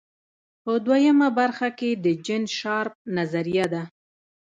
په دویمه برخه کې د جین شارپ نظریه ده.